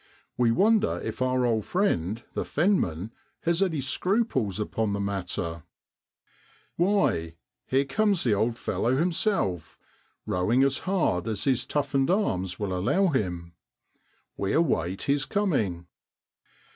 We wonder if our old friend, the fenman, has any scruples upon the matter ? Why ! here comes the old fellow himself, rowing as hard as his toughened arms will allow him. We await his coming.